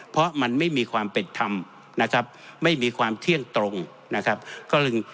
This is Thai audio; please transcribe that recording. เพราะมันไม่มีความเป็นธรรมไม่มีความเที่ยงตรง